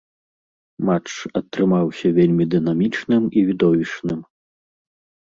Матч атрымаўся вельмі дынамічным і відовішчным.